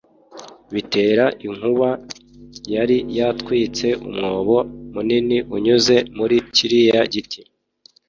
'bitera inkuba yari yatwitse umwobo munini unyuze muri kiriya giti.